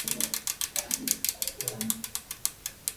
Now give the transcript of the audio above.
Mwangeji ni opitalo munene mu kolwezi